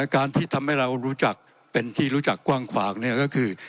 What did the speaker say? การที่ทำให้เรารู้จักเป็นที่รู้จักกว้างขวางก็คือ